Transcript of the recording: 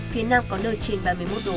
phía nam có nơi trên ba mươi một độ